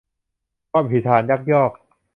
ความผิดฐานยักยอก